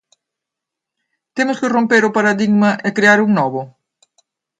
Temos que romper o paradigma e crear un novo?